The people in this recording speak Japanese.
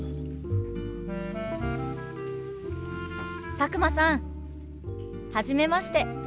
佐久間さんはじめまして。